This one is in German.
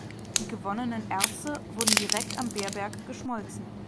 Die gewonnenen Erze wurden direkt am Beerberg geschmolzen.